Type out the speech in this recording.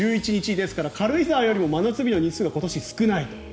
ですから、軽井沢よりも真夏日の日数が今年は少ない。